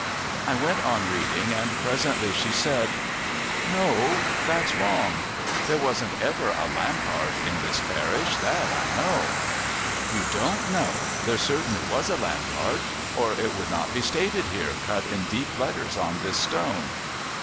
I went on reading, and presently she said, "No, that's wrong. There wasn't ever a Lampard in this parish. That I know." "You don't know! There certainly was a Lampard or it would not be stated here, cut in deep letters on this stone."